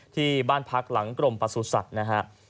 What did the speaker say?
ที่บ้านพักหลังกลมปลาสูสัตว์นะครับ